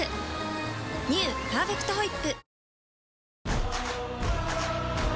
「パーフェクトホイップ」